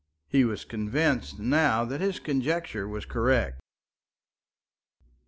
He was convinced now that his conjecture was correct.